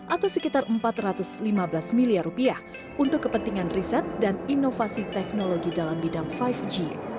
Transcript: atau sekitar empat ratus lima belas miliar rupiah untuk kepentingan riset dan inovasi teknologi dalam bidang lima g